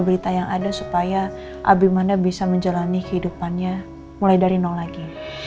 berita yang ada supaya abimanda bisa menjalani kehidupannya mulai dari nol lagi